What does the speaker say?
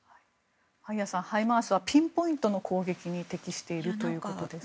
萩谷さん、ハイマースはピンポイントの攻撃に適しているということです。